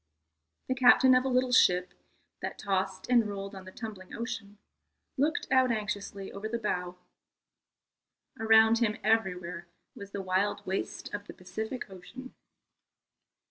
The captain of a little ship, that tossed and rolled on the tumbling ocean, looked out anxiously over the bow. Around him everywhere was the wild waste of the Pacific Ocean.